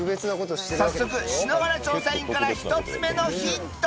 早速篠原調査員から１つ目のヒント